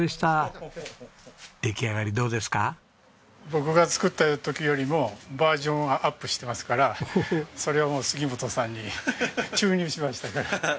僕が作った時よりもバージョンアップしてますからそれをもう杉本さんに注入しましたから。